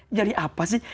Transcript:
ini jadi apa sih